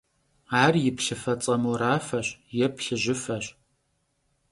Ar yi plhıfeç'e morafeş yê plhıjıfeş.